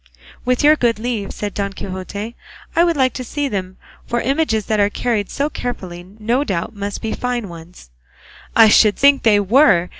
"With your good leave," said Don Quixote, "I should like to see them; for images that are carried so carefully no doubt must be fine ones." "I should think they were!"